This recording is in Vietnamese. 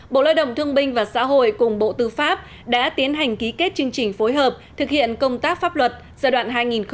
bộ lao động thương binh và xã hội cùng bộ tư pháp đã tiến hành ký kết chương trình phối hợp thực hiện công tác pháp luật giai đoạn hai nghìn một mươi sáu hai nghìn hai mươi